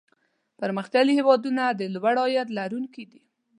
پرمختللي هېوادونه د لوړ عاید لرونکي دي.